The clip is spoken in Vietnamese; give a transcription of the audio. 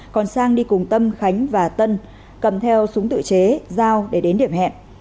còn sang đi cùng tâm khánh và tân cầm theo súng tự chế dao để đến điểm hẹn